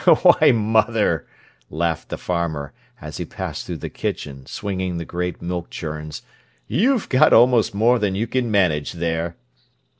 "Why, mother," laughed the farmer as he passed through the kitchen, swinging the great milk churns, "you've got almost more than you can manage there."